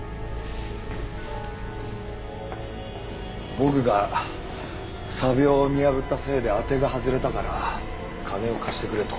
僕が詐病を見破ったせいで当てが外れたから金を貸してくれと。